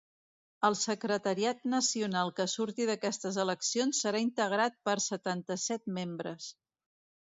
El secretariat nacional que surti d’aquestes eleccions serà integrat per setanta-set membres.